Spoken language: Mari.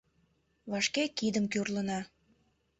Вашке кидым кӱрлына.